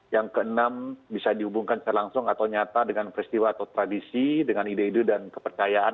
yang keenam bisa dihubungkan secara langsung atau nyata dengan peristiwa atau tradisi dengan ide ide dan kepercayaan